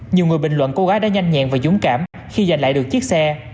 nhiều người bình luận cô gái đã nhanh nhẹn và dũng cảm khi giành lại được chiếc xe